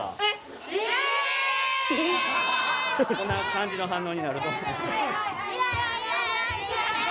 こんな感じの反応になると。